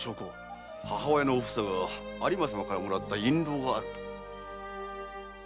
母親のおふさが有馬様からもらった印籠があると。